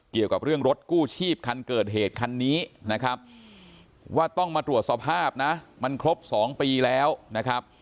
เกี่ยวกับเรื่องรถกู้ชีพคันเกิดเหตุคันนี้นะครับว่าต้องมาตรวจสภาพนะมันครบ๒ปีแล้วนะครับ